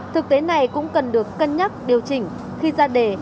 thực tế này cũng cần được cân nhắc điều chỉnh khi ra đề